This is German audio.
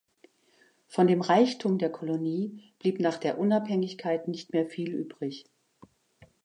Von dem Reichtum der Kolonie blieb nach der Unabhängigkeit nicht mehr viel übrig.